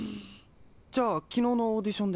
じゃあきのうのオーディションで？